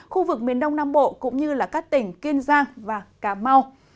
khu vực miền đông nam bộ cũng như các tỉnh kiên giang và cà mau